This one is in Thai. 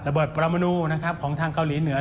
ระบบประมณูของทางเกาหลีเหนือ